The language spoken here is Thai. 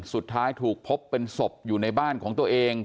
สุดท้ายถูกพบเป็นศพอยู่ในบ้านของตัวเอง